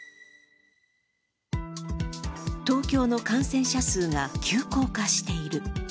東京の感染者数が急降下している。